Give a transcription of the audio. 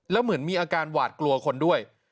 แล้วเหมือนมีอาการหวาดกลัวคนด้วย